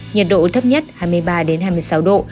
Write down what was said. nhiệt độ thấp nhất hai mươi ba hai mươi sáu độ